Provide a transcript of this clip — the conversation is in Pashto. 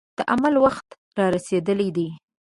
د عمل وخت را رسېدلی دی.